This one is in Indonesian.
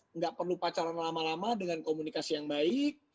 tidak perlu pacaran lama lama dengan komunikasi yang baik